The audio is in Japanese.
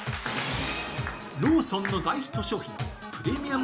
ローソンの大ヒット商品、プレミアム